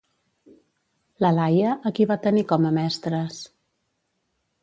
La Laia, a qui va tenir com a mestres?